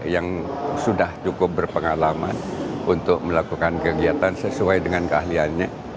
yang sudah cukup berpengalaman untuk melakukan kegiatan sesuai dengan keahliannya